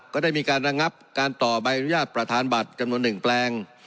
ก็ได้มีการระงับการต่อใบอนุญาตประธานบัตรจำนวน๑แปลง